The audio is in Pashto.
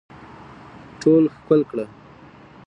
ټول ښکل کړه